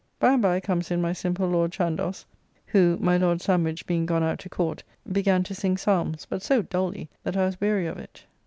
By and by comes in my simple Lord Chandois, who (my Lord Sandwich being gone out to Court) began to sing psalms, but so dully that I was weary of it.